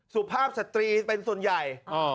สุภาพสตรีเป็นส่วนใหญ่